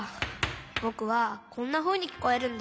ぼくはこんなふうにきこえるんだ。